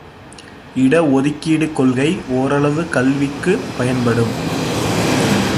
இட ஒதுக்கீட்டுக் கொள்கை ஒரளவு கல்விக்குப் பயன்படும்.